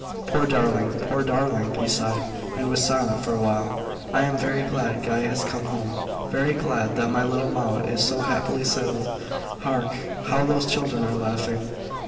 "Poor darling! poor darling!" He sighed, and was silent for a while. "I am very glad Guy has come home; very glad that my little Maud is so happily settled. Hark! how those children are laughing!"